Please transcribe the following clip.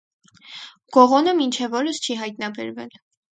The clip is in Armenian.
Գողոնը մինչև օրս չի հայտնաբերվել։